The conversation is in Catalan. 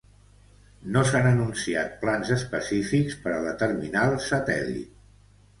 No s'han anunciat plans específics per a la terminal satèl·lit.